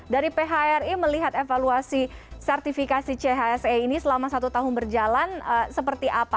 dari phri melihat evaluasi sertifikasi chse ini selama satu tahun berjalan seperti apa